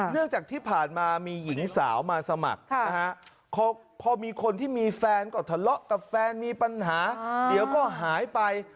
เนื่องจากที่ผ่านมามีหญิงสาวมาสมัครนะฮะพอมีคนที่มีแฟนก็ทะเลาะกับแฟนมีปัญหาเดี๋ยวก็หายไป